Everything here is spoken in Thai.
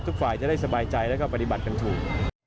ฝ่ายจะได้สบายใจแล้วก็ปฏิบัติกันถูก